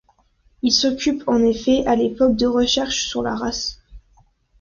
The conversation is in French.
Il s'occupe en effet à l'époque de recherches sur la race.